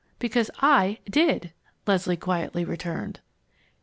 "Because I did!" Leslie quietly returned.